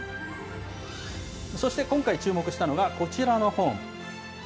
そして今回注目したのがこちらの本。